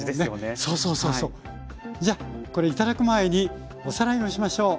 じゃあこれ頂く前におさらいをしましょう。